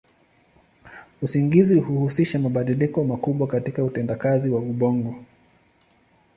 Usingizi huhusisha mabadiliko makubwa katika utendakazi wa ubongo.